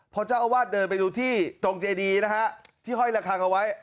พอเจ้าอาวาสเดินไปดูที่ตรงเจดีนะฮะที่ห้อยระคังเอาไว้